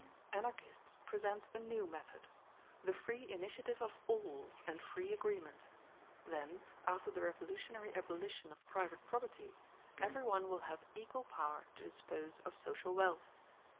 Anarchists present a new method; the free initiative of all and free agreement; then, after the revolutionary abolition of private property, every one will have equal power to dispose of social wealth.